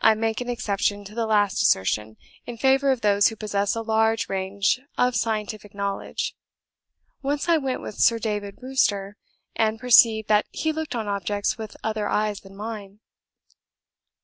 I make an exception to the last assertion, in favour of those who possess a large range of scientific knowledge. Once I went with Sir David Brewster, and perceived that he looked on objects with other eyes than mine."